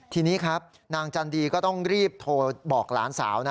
ทีนี้ครับนางจันดีก็ต้องรีบโทรบอกหลานสาวนะ